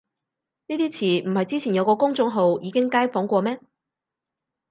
呢啲詞唔係之前有個公眾號已經街訪過咩